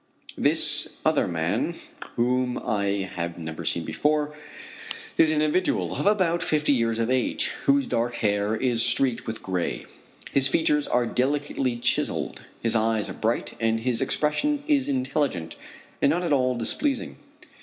This other man, whom I have never before seen, is an individual of about fifty years of age, whose dark hair is streaked with gray. His features are delicately chiselled, his eyes are bright, and his expression is intelligent and not at all displeasing.